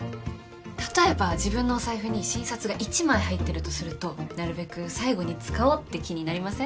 例えば自分のお財布に新札が１枚入ってるとするとなるべく最後に使おうって気になりません？